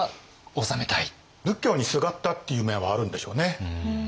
仏教にすがったっていう面はあるんでしょうね。